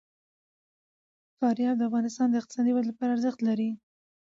فاریاب د افغانستان د اقتصادي ودې لپاره ارزښت لري.